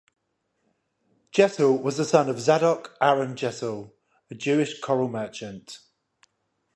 Jessel was the son of Zadok Aaron Jessel, a Jewish coral merchant.